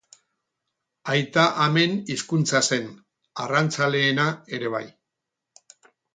Aita-amen hizkuntza zen, arrantzaleena ere bai.